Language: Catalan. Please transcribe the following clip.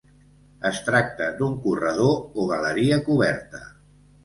Es tracta d'un corredor o galeria coberta.